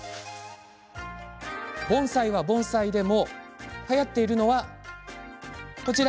盆栽は盆栽でもはやっているのは、こちら。